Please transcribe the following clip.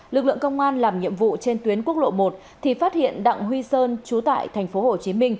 lực lượng công an làm nhiệm vụ trên tuyến quốc lộ một thì phát hiện đặng huy sơn chú tại tp hcm